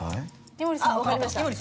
井森さん分かりました。